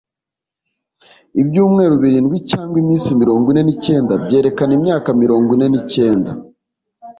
Ibyumweru birindwi cyangwa iminsi mirongo ine nicyenda byerekana imyaka mirongo ine nicyenda.